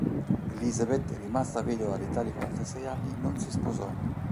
Elizabeth, rimasta vedova all'età di quarantasei anni, non si risposò.